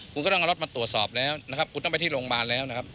กูก็ต้องรอดมาตรวจสอบแล้วกูต้องไปที่โรงพยาบาลแล้ว